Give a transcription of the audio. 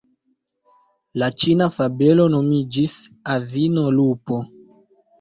La ĉina fabelo nomiĝis "Avino Lupo".